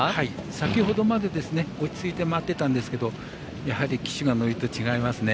先ほどまで落ち着いて待っていたんですけど騎手が乗ると違いますね。